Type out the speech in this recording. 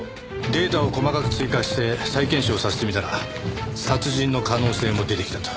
データを細かく追加して再検証させてみたら殺人の可能性も出てきたと。